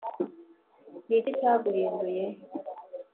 ni iki cyaguhinduye